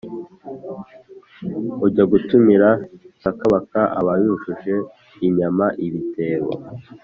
Ujya gutumira sakabaka aba yujuje inyama ibitebo.